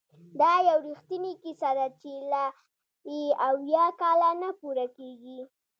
دا یو رښتینې کیسه ده چې لا یې اویا کاله نه پوره کیږي!